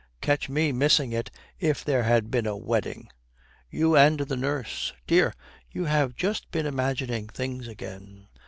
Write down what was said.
Catch me missing it if there had been a wedding!' 'You and the nurse.' 'Dear, you have just been imagining things again.